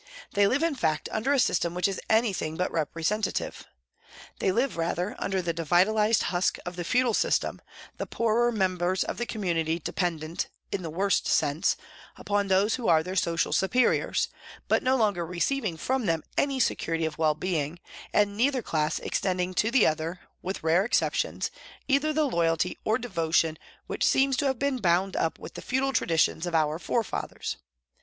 They live, in fact, under a system which is anything but representative. They live rather, under the devitalised husk of the feudal system, the poorer members of the community dependent, in the worst sense, upon those who are their social superiors, but no longer receiving from them any security of well being, and neither class extending to the other, with rare exceptions, either the loyalty or devotion which seem to have been bound up with the feudal traditions of our forefathers.